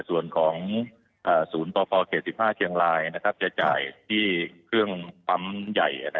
ส่วนของศูนย์ปพเขต๕เชียงรายจะจ่ายที่เครื่องปั๊มใหญ่